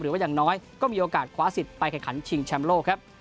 หรือว่าอย่างน้อยก็มีโอกาสคว้าสิทธิ์ไปแข่งขันชิงแชมป์โลกครับ